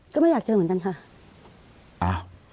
ก็ไม่อยากเจอเหมือนกันค่ะ